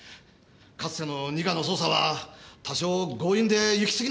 かつての二課の捜査は多少強引で行き過ぎな点も。